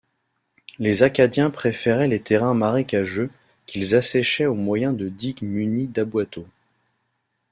Les Acadiens préféraient les terrains marécageux, qu'ils asséchaient au moyen de digues munies d'aboiteaux.